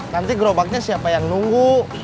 nanti gerobaknya siapa yang nunggu